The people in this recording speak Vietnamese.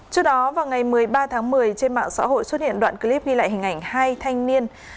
trước đó vào ngày một mươi ba tháng một mươi trên mạng xã hội xuất hiện đoạn clip ghi lại hình ảnh hai thanh niên